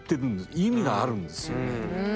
意味があるんですよね。